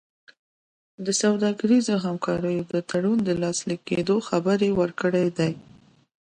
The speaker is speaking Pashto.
د سوداګریزو همکاریو د تړون د لاسلیک کېدو خبر ورکړی دی.